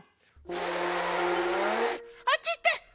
ふあっちいってふ！